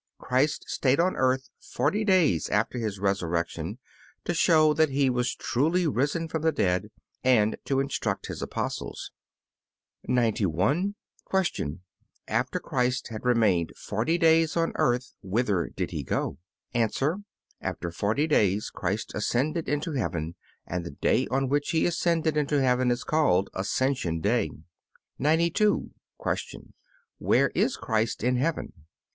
Christ stayed on earth forty days after His resurrection to show that He was truly risen from the dead, and to instruct His Apostles. 91. Q. After Christ had remained forty days on earth whither did He go? A. After forty days Christ ascended into heaven, and the day on which He ascended into heaven is called Ascension day. 92. Q. Where is Christ in heaven?